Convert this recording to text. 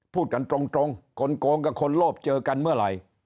พูดกันตรงคนโกงกับคนโลภเจอกันเมื่อไหร่